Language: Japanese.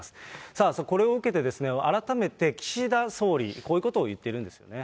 さあ、これを受けて、改めて岸田総理、こういうことを言っているんですよね。